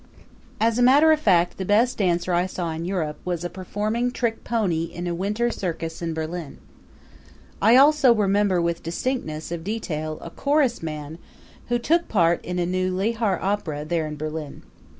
As a matter of fact the best dancer I saw in Europe was a performing trick pony in a winter circus in Berlin. I also remember with distinctness of detail a chorusman who took part in a new Lehar opera, there in Berlin.